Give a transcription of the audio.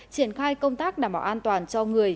triển khai công tác đảm bảo an toàn cho người